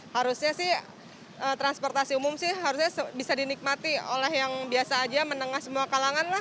harusnya sih transportasi umum sih harusnya bisa dinikmati oleh yang biasa aja menengah semua kalangan lah